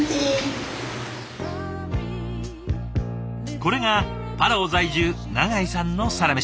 これがパラオ在住永井さんのサラメシ。